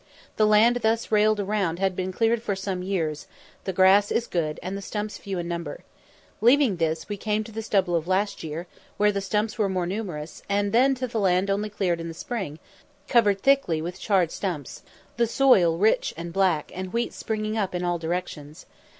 The land thus railed round had been cleared for some years; the grass is good, and the stumps few in number. Leaving this, we came to the stubble of last year, where the stumps were more numerous, and then to the land only cleared in the spring, covered thickly with charred stumps, the soil rich and black, and wheat springing up in all directions.